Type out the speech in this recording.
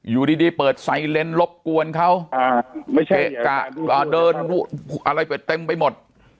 อยู่ดีเปิดไซเลนส์รบกวนเขาไม่ใช่กะเดินอะไรไปเต็มไปหมด